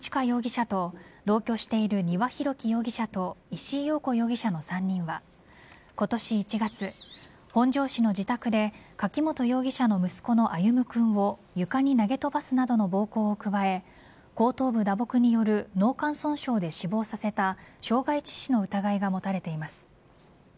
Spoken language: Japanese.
容疑者と同居している丹羽洋樹容疑者と石井陽子容疑者の３人は今年１月、本庄市の自宅で柿本容疑者の息子の歩夢君を床に投げ飛ばすなどの暴行を加え後頭部打撲による脳幹損傷で死亡させた傷害致死の疑いが持たれています。